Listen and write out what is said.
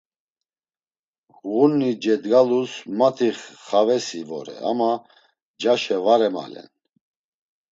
Ğuni cedgalus mati xavesi vore ama ncaşe var emalen.